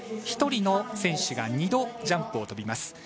１人の選手が２度ジャンプを飛びます。